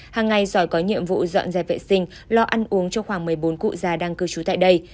hàng ngày giỏi có nhiệm vụ dọn dẹp vệ sinh lo ăn uống cho khoảng một mươi bốn cụ già đang cư trú tại đây